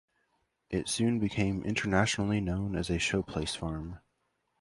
It soon became internationally known as a showplace farm.